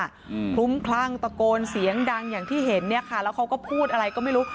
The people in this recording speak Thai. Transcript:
คลุ้มคลั่งตะโกนเสียงดังอย่างที่เห็นเนี้ยค่ะแล้วเขาก็พูดอะไรก็ไม่รู้